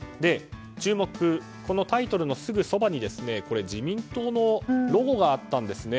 注目、このタイトルのすぐそばに自民党のロゴがあったんです。